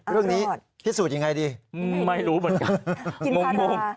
เรื่องนี้คิดสูตรยังไงดีไม่รู้เหมือนกัน